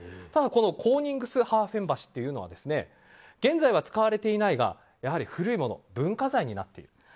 ただ、コーニングスハーフェン橋というのは現在は使われていないがやはり古いもの文化財になっている。